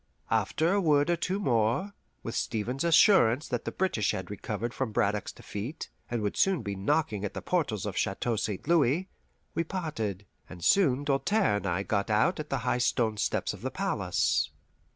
After a word or two more, with Stevens's assurance that the British had recovered from Braddock's defeat and would soon be knocking at the portals of the Chateau St. Louis, we parted, and soon Doltaire and I got out at the high stone steps of the palace.